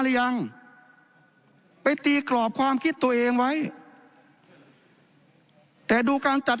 หรือยังไปตีกรอบความคิดตัวเองไว้แต่ดูการจัด